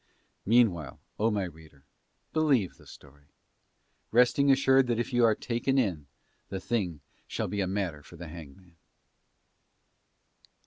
Meanwhile, O my reader, believe the story, resting assured that if you are taken in the thing shall be a matter for the hangman.